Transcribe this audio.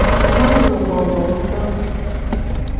Mago bobo nguto.